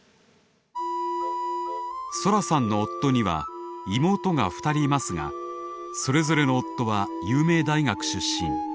ソラさんの夫には妹が２人いますがそれぞれの夫は有名大学出身。